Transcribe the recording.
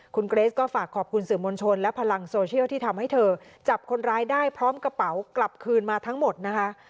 คุณเกรสก็ฝากขอบคุณสื่อมวลชนและพลังโซเชียลที่ทำให้เธอจับคนร้ายได้พร้อมกระเป๋ากลับคืนมาทั้งหมดนะคะ